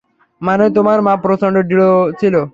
মানে তোর মা প্রচন্ড দৃঢ় ছিল।